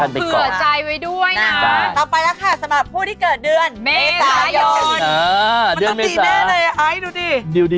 มันปฏิแน่ไอฟ์ดูดิ